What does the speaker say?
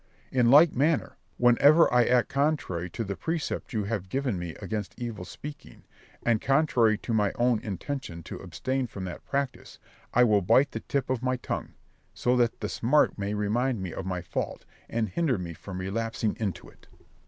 In like manner, whenever I act contrary to the precept you have given me against evil speaking, and contrary to my own intention to abstain from that practice, I will bite the tip of my tongue, so that the smart may remind me of my fault, and hinder me from relapsing into it.